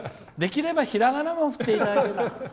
できれば、ひらがなも振っていただいて。